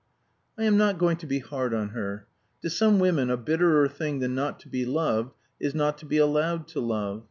I am not going to be hard on her. To some women a bitterer thing than not to be loved is not to be allowed to love.